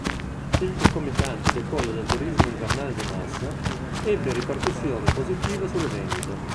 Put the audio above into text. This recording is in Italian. Il concomitante decollo del turismo invernale di massa, ebbe ripercussioni positive sulle vendite.